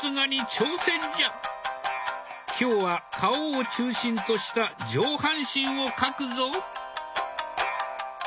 今日は顔を中心とした上半身を描くぞ。